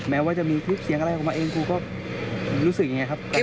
แม้ว่าจะมีคลิปเสียงอะไรออกมาเองครูก็รู้สึกอย่างนี้ครับ